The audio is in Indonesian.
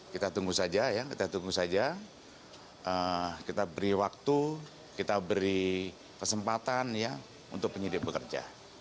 kita tunggu saja kita beri waktu kita beri kesempatan untuk penyidik bekerja